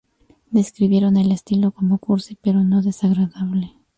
Describieron el estilo como "cursi" pero no desagradable.